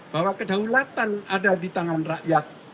bahwa kedaulatan ada di tangan rakyat